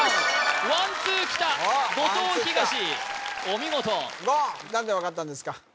ワンツー来た後藤東お見事言何で分かったんですか？